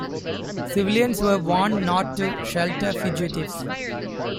Civilians were warned not to shelter fugitives.